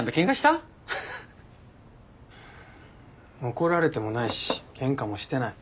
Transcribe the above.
怒られてもないしケンカもしてない。